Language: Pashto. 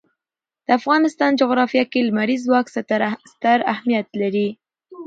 د افغانستان جغرافیه کې لمریز ځواک ستر اهمیت لري.